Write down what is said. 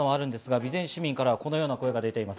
備前市人からこのような声が出ています。